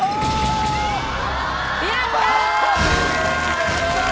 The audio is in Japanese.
やったー！